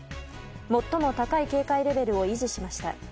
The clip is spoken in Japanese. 最も高い警戒レベルを維持しました。